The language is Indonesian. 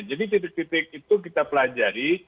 jadi titik titik itu kita pelajari